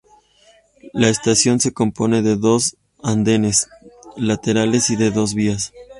La estación se compone de dos andenes laterales y de dos vías